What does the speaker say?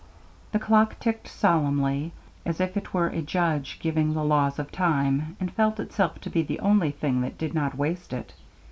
The clock ticked solemnly, as if it were a judge giving the laws of time, and felt itself to be the only thing that did not waste it.